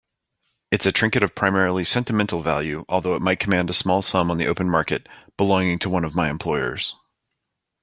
It's a trinket of primarily sentimental value, although it might command a small sum on the open market, belonging to one of my employers.